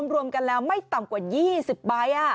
รวมกันแล้วไม่ต่ำกว่า๒๐ใบ